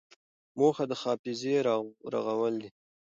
موخه د حافظې رغول دي.